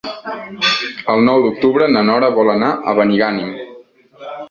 El nou d'octubre na Nora vol anar a Benigànim.